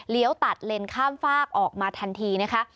เลี้ยวตัดเล็นข้ามฝากออกมาทันทีนะคะ